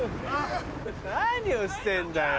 何をしてんだよ。